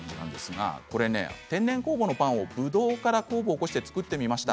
天然酵母のパンをぶどうから酵母を起こして作ってみました。